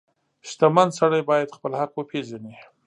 • شتمن سړی باید خپل حق وپیژني.